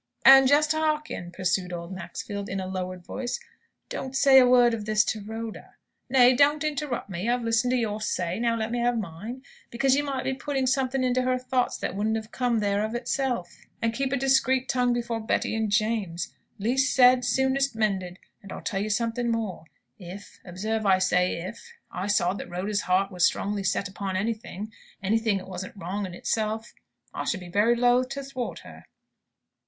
"And just hearken," pursued old Maxfield, in a lowered voice, "don't say a word of this sort to Rhoda nay, don't interrupt me! I've listened to your say, now let me have mine because you might be putting something into her thoughts that wouldn't have come there of itself. And keep a discreet tongue before Betty and James. 'Least said, soonest mended.' And I'll tell you something more. If observe I say 'if' I saw that Rhoda's heart was strongly set upon anything, anything as wasn't wrong in itself, I should be very loath to thwart her."